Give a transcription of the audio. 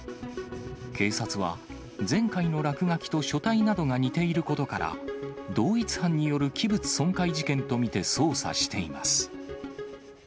警察は前回の落書きと書体などが似ていることから、同一犯による器物損壊事件と見て捜査しています。